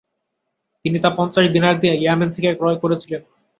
তিনি তা পঞ্চাশ দিনার দিয়ে ইয়ামেন থেকে ক্রয় করেছিলেন।